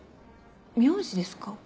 名字ですか？